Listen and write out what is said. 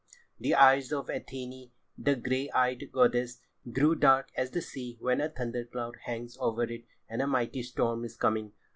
The eyes of Athené, the grey eyed goddess, grew dark as the sea when a thunder cloud hangs over it and a mighty storm is coming.